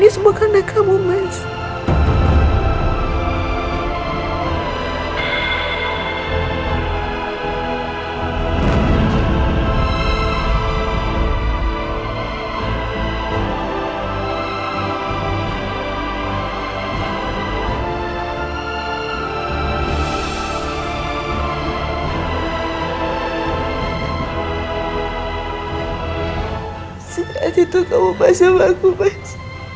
saat itu kamu bahas sama aku mas